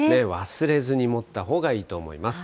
忘れずに持ったほうがいいと思います。